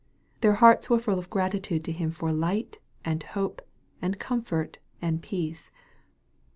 Their hearts were full of gratitude to Him for light, and hope, and comfort, and peace.